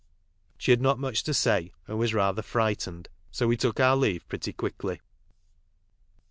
She had not much to say, and was rather frightened, so we took our leave pretty quickly.